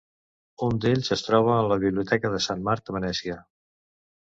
Un d'ells es troba en la biblioteca de Sant Marc de Venècia.